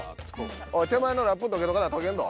おい手前のラップどけとかな溶けんど。